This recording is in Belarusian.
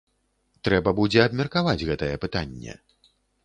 Трэба будзе абмеркаваць гэтае пытанне.